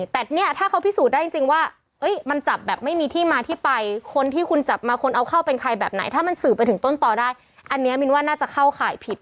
แต่เนี่ยถ้าเขาพิสูจน์ได้จริงว่ามันจับแบบไม่มีที่มาที่ไปคนที่คุณจับมาคนเอาเข้าเป็นใครแบบไหนถ้ามันสื่อไปถึงต้นต่อได้อันนี้มินว่าน่าจะเข้าข่ายผิด